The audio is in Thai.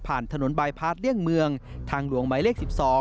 ถนนบายพาร์ทเลี่ยงเมืองทางหลวงหมายเลข๑๒